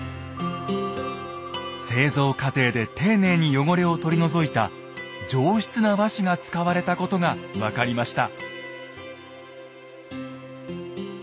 製造過程で丁寧に汚れを取り除いた上質な和紙が使われたことが分かりました。